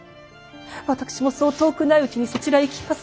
私もそう遠くないうちにそちらへ行きます。